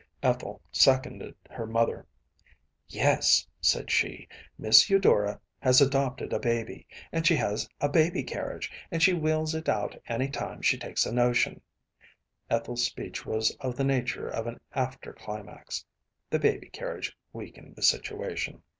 Ethel seconded her mother. ‚ÄúYes,‚ÄĚ said she, “Miss Eudora has adopted a baby, and she has a baby carriage, and she wheels it out any time she takes a notion.‚ÄĚ Ethel’s speech was of the nature of an after climax. The baby carriage weakened the situation.